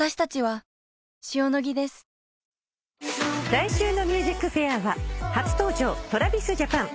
来週の『ＭＵＳＩＣＦＡＩＲ』は初登場ＴｒａｖｉｓＪａｐａｎ。